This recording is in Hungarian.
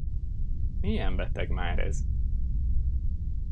Milyen beteg már ez?